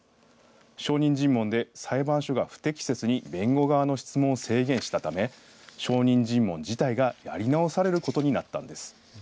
証人尋問で裁判所が不適切に弁護側の質問を制限したため証人尋問自体がやり直されることになったんです。